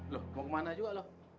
loh mau kemana juga loh